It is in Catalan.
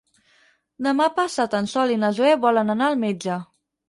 Demà passat en Sol i na Zoè volen anar al metge.